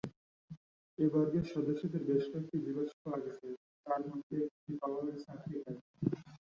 এ বর্গের সদস্যদের বেশ কয়েকটি জীবাশ্ম পাওয়া গেছে, তার মধ্যে একটি পাওয়া গেছে আফ্রিকায়।